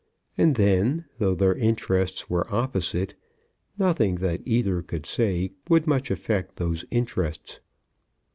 And then, though their interests were opposite, nothing that either could say would much affect those interests.